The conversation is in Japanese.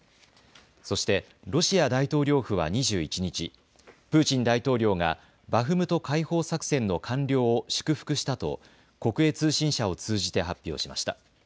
そしてロシア大統領府は２１日、プーチン大統領がバフムト解放作戦の完了を祝福したと国営通信社を通じて発表しました。